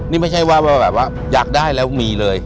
นี่ไม่ใช่ว่าแบบว่าอยากได้แล้วมีเลย